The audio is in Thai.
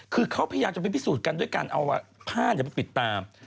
คือเขาพยายามจะไปพิสูจน์กันด้วยการเอาผ้าไปปิดตาม